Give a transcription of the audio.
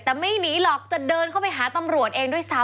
แต่ไม่หนีหรอกจะเดินเข้าไปหาตำรวจเองด้วยซ้ำ